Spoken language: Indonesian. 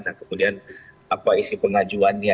nah kemudian apa isi pengajuannya